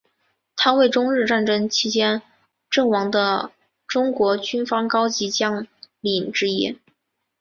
他为中日战争期间阵亡的中国军方高级将领之一。